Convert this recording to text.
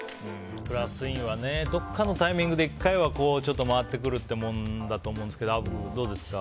クラス委員はどこかのタイミングで１回は回ってくるというものだと思うんですがアブ、どうですか？